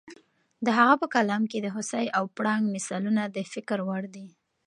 د هغه په کلام کې د هوسۍ او پړانګ مثالونه د فکر وړ دي.